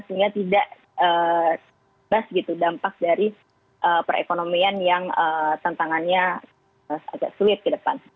sehingga tidak bas gitu dampak dari perekonomian yang tantangannya agak sulit ke depan